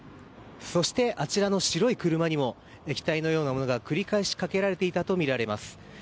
そして、あちらの白い車にも液体のようなものが繰り返しかけられていたとみられます。